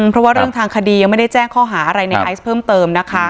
เพราะว่าเรื่องทางคดียังไม่ได้แจ้งข้อหาอะไรในไอซ์เพิ่มเติมนะคะ